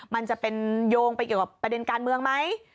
มันจะเป็นโยงไปเกี่ยวกับประเด็นการเมืองไหม